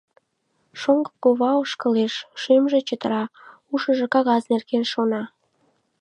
Шоҥго кува ошкылеш, шӱмжӧ чытыра, ушыжо кагаз нерген шона.